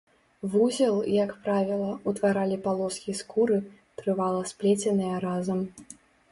Вузел, як правіла, утваралі палоскі скуры, трывала сплеценыя разам.